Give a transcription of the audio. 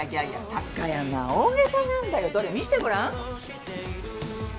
貴山大げさなんだよどれ見してごらん？